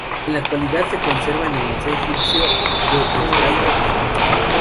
En la actualidad se conserva en el Museo Egipcio de El Cairo, Egipto.